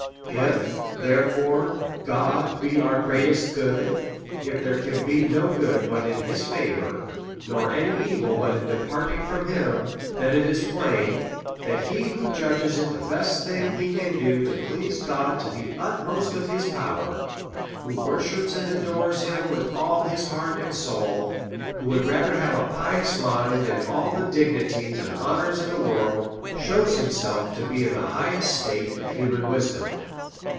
If, therefore, God be our great est good ; if there can be no good but in his favour, nor any evil but in departing from him, then it is plain, that he who judges it the best thing he can do to please God to the utmost of his power, who worships and adores him with all his heart and soul, who had rather have a pious mind than all the dignities and honours in the world, shews himself to be in the highest state of human wisdom.